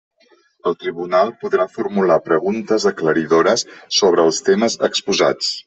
El tribunal podrà formular preguntes aclaridores sobre els temes exposats.